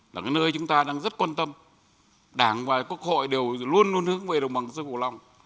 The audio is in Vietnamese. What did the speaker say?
là cái nơi chúng ta đang rất quan tâm đảng và quốc hội đều luôn luôn hướng về đồng bằng sơn cổ long